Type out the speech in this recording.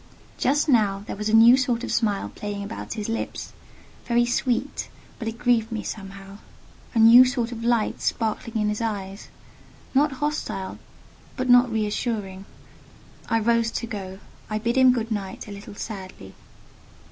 Just now there was a new sort of smile playing about his lips—very sweet, but it grieved me somehow—a new sort of light sparkling in his eyes: not hostile, but not reassuring. I rose to go—I bid him good night a little sadly.